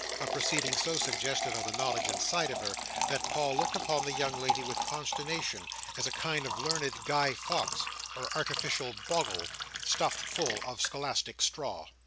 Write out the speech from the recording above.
a proceeding so suggestive of the knowledge inside of her, that Paul looked upon the young lady with consternation, as a kind of learned Guy Fawkes, or artificial Bogle, stuffed full of scholastic straw.